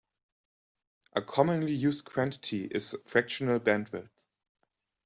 A commonly used quantity is fractional bandwidth.